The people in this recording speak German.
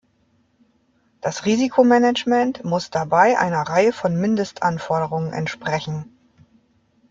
Das Risikomanagement muss dabei einer Reihe von Mindestanforderungen entsprechen.